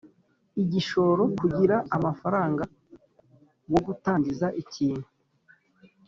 igishoro kugira amafaranga wo gutangiza ikintu